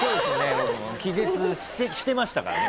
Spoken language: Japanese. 僕も気絶してましたからね。